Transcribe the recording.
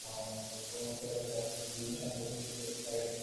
উপরমহল থেকে এত চাপ আসছে যে দুদিন শান্তিমতো খেতে অব্ধি পারিনি।